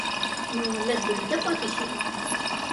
نو ولس به ویده پاتې شي.